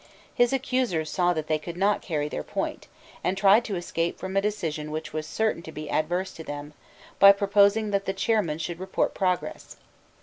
His accusers saw that they could not carry their point, and tried to escape from a decision which was certain to be adverse to them, by proposing that the Chairman should report progress.